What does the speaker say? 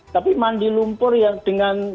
tapi mandi lumpur yang dengan